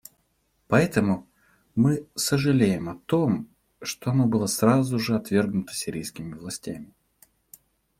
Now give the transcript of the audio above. Поэтому мы сожалеем о том, что оно было сразу же отвергнуто сирийскими властями.